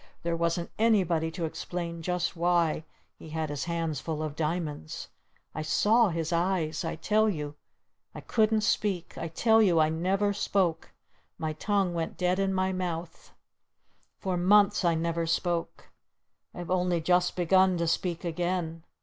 There wasn't anybody to explain just why he had his hands full of diamonds! I saw his eyes! I tell you I couldn't speak! I tell you I never spoke! My tongue went dead in my mouth! For months I never spoke! I've only just begun to speak again!